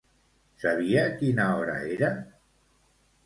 Sabia quina hora era?